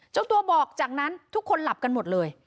เจ้าตัวบอกจากนั้นทุกคนหลับกันหมดเลย